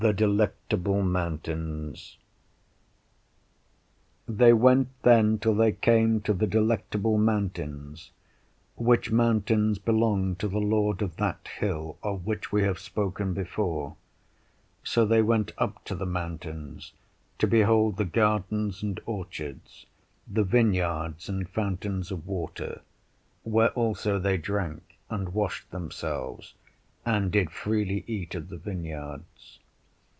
THE DELECTABLE MOUNTAINS From the 'Pilgrim's Progress' They went then till they came to the Delectable Mountains, which mountains belong to the Lord of that Hill of which we have spoken before; so they went up to the mountains, to behold the gardens and orchards, the vineyards and fountains of water; where also they drank, and washed themselves, and did freely eat of the vineyards.